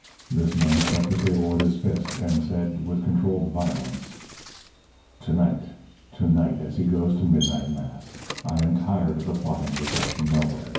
This man struck the table with his fist, and said, with controlled violence: "To night. To night as he goes to midnight mass. I am tired of the plotting that gets nowhere.